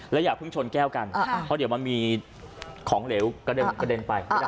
อย่าเพิ่งชนแก้วกันเพราะเดี๋ยวมันมีของเหลวกระเด็นไปไม่ได้